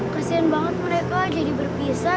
kasian banget mereka jadi berpisah